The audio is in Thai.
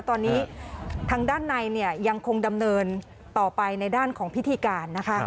ตอนนี้ทางด้านในยังคงดำเนินต่อไปในด้านของพิธีการนะคะ